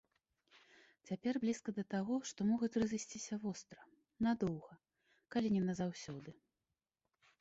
Цяпер блізка да таго, што могуць разысціся востра, надоўга, калі не назаўсёды.